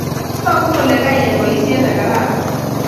Toku kole kaiyai boisiet ne kararan